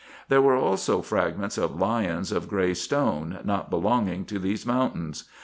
There were also fragments of lions of grey stone, not belonging to these mountains.